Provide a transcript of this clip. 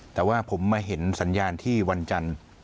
แต่ว่าผมมาเห็นสัญญาณที่วันจันทร์